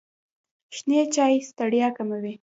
شنې چایی ستړیا کموي.